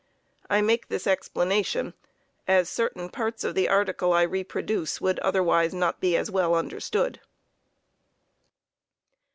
I make this explanation as certain parts of the article I reproduce would otherwise not be as well understood.